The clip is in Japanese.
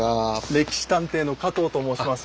「歴史探偵」の加藤と申します。